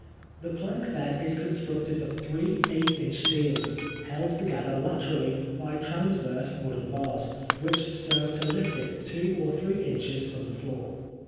The plank bed is constructed of three eight inch deals, held together laterally by transverse wooden bars, which serve to lift it two or three inches from the floor.